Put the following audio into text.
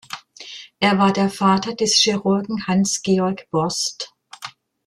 Er war der Vater des Chirurgen Hans Georg Borst.